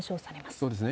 そうですね。